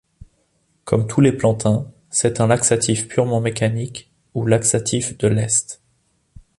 Comme tous les plantains, c'est un laxatif purement mécanique, ou laxatif de lest.